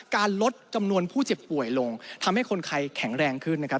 ลดจำนวนผู้เจ็บป่วยลงทำให้คนไทยแข็งแรงขึ้นนะครับ